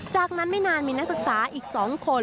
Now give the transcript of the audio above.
จากนั้นไม่นานมีนักศึกษาอีก๒คน